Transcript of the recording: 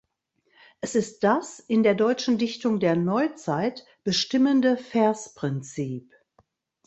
Es ist das in der deutschen Dichtung der Neuzeit bestimmende Versprinzip.